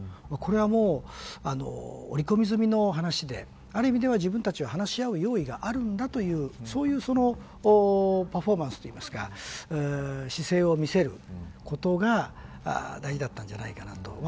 これは織り込み済みの話である意味では自分たちは話し合う用意があるんだというそういうパフォーマンスというか姿勢を見せることが大事だったんじゃないかなと。